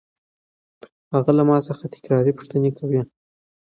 هغه له ما څخه تکراري پوښتنه کوي.